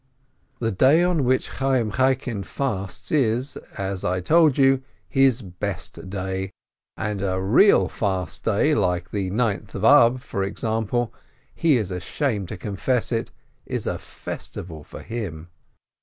The day on which Chayyim Chaikin fasts is, as I told you, his best day, and a real fast day, like the Ninth of Ab, for instance — he is ashamed to confess it — is a festival for him